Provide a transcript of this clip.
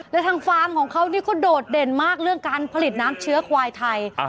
แล้วทางฟาร์มของเขานี่ก็โดดเด่นมากเรื่องการผลิตน้ำเชื้อควายไทย